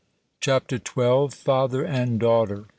CHAPTER XII. FATHER AND DAUGHTER.